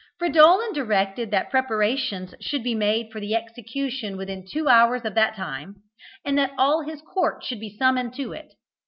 Fridolin directed that preparations should be made for the execution within two hours of that time, and that all his court should be summoned to it.